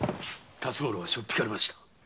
辰五郎しょっ引かれました。